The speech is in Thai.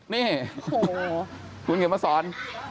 นี่คุณเข็มสอน